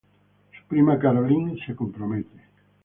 Su prima Caroline se compromete.